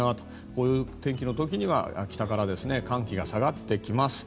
こういう天気の時には北から寒気が下がってきます。